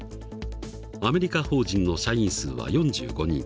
アメリカ法人の社員数は４５人。